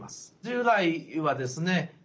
従来はですね